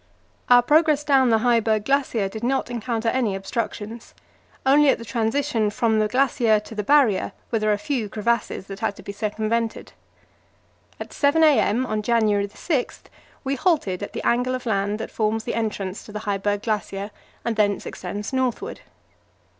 Our progress down the Heiberg Glacier did not encounter any obstructions; only at the transition from the glacier to the Barrier were there a few crevasses that had to be circumvented. At 7 a.m. on January 6 we halted at the angle of land that forms the entrance to the Heiberg Glacier, and thence extends northward.